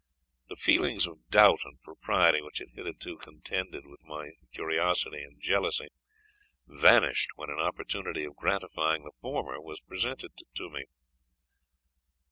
The feelings of doubt and propriety, which had hitherto contended with my curiosity and jealousy, vanished when an opportunity of gratifying the former was presented to me.